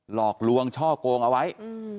หลอกลวงช่อโกงเอาไว้